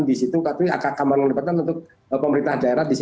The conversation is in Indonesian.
di situ akan melibatkan pemerintah daerah